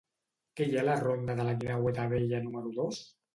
Què hi ha a la ronda de la Guineueta Vella número dos?